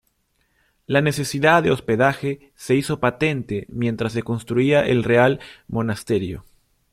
La necesidad de hospedaje se hizo patente mientras se construía el Real Monasterio.